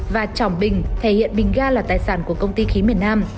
và trọng bình thể hiện bình ga là tài sản của công ty khí miền nam